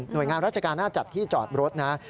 หน่วยงานราชการน่าจะจัดที่จอดรถนะครับ